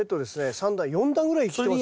３段４段ぐらいいきそうですね。